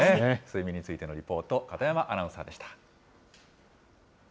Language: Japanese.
睡眠についてのリポート、片山アナウンサーでした。